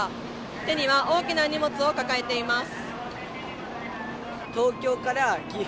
手には大きな荷物を抱えています。